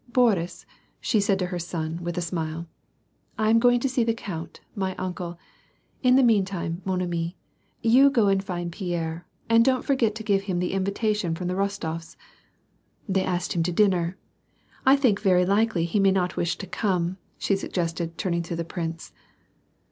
" Boris," said she to her son, and with a smile, " I am going to see the count, my uncle ; in the meantime, inon ami, you go and find Pierre, and don't forget to give him the invitation from the Rostofs. They ask him to dinner. I think very likely he may not wish to come," she suggested, turning to the prince.